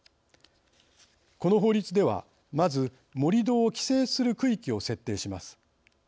この法律ではまず盛り土を規制する区域を設定します。